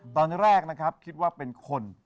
ตอนแรกนะครับคิดว่าเป็นคน